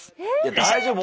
大丈夫？